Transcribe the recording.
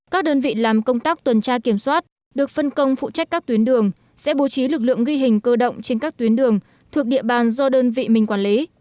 các đơn vị làm công tác tuần tra kiểm soát được phân công phụ trách các tuyến đường sẽ bố trí lực lượng ghi hình cơ động trên các tuyến đường thuộc địa bàn do đơn vị mình quản lý